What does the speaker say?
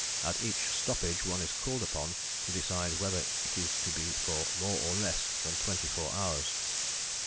At each stoppage one is called upon to decide whether it is to be for more or less than twenty four hours."